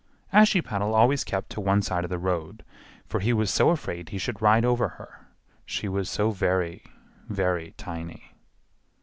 Ashiepattle always kept to one side of the road, for he was so afraid he should ride over her; she was so very, very tiny.